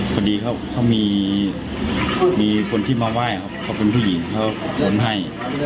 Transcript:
พอดีเขามีคนที่มาไหว้ครับเขาเป็นผู้หญิงเขาโอนให้